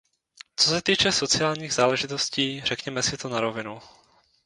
Co se týče sociálních záležitostí, řekněme si to na rovinu.